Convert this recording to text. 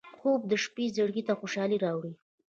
خوب د شپه زړګي ته خوشالي راوړي